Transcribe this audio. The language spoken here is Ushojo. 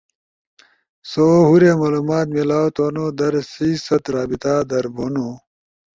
سو ہورے معلومات میلاؤ تھونو در سی ست رابطہ در بھونو۔